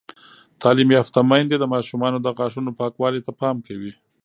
تعلیم یافته میندې د ماشومانو د غاښونو پاکوالي ته پام کوي.